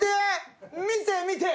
見て！